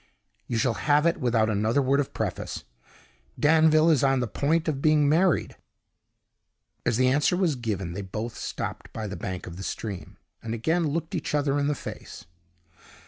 "You shall have it without another word of preface. Danville is on the point of being married." As the answer was given they both stopped by the bank of the stream, and again looked each other in the face.